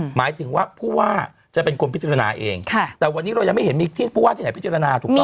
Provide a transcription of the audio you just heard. หมายถึงว่าผู้ว่าจะเป็นคนพิจารณาเองแต่วันนี้เรายังไม่เห็นมีที่ผู้ว่าที่ไหนพิจารณาถูกต้อง